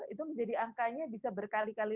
itu menjadi angkanya bisa berkali kali